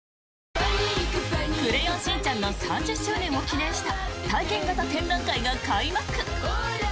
「クレヨンしんちゃん」の３０周年を記念した体験型展覧会が開幕！